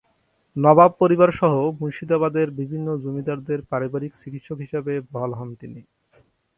নবাব পরিবার সহ মুর্শিদাবাদের বিভিন্ন জমিদারদের পারিবারিক চিকিৎসক হিসেবে বহাল হন তিনি।